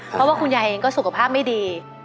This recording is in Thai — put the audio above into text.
เพราะว่าคุณยายเองก็สุขภาพไม่ดี